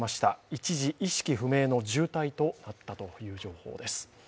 一時、意識不明の重体となったという状況です。